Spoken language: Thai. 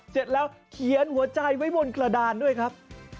เสร็จแล้วเขียนหัวใจไว้บนกระดานด้วยครับ